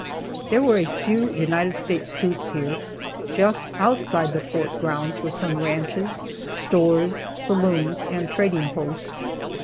There were a few United States troops here. Just outside the fort grounds were some ranches, stores, saloons and trading posts.